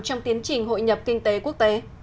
trong tiến trình hội nhập kinh tế quốc tế